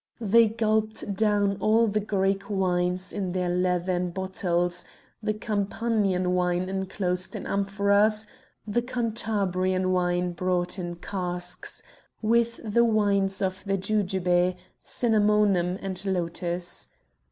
They gulped down all the Greek wines in their leathern bottles, the Campanian wine enclosed in amphoras, the Cantabrian wines brought in casks, with the wines of the jujube, cinnamomum and lotus.